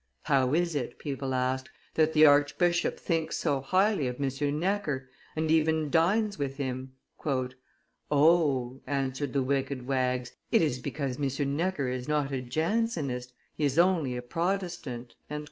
"How is it," people asked, "that the archbishop thinks so highly of M. Necker, and even dines with him?" "0!" answered the wicked wags, "it is because M. Necker is not a Jansenist, he is only a Protestant."